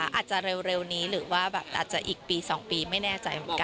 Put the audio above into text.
อาจจะเร็วนี้หรือว่าแบบอาจจะอีกปี๒ปีไม่แน่ใจเหมือนกัน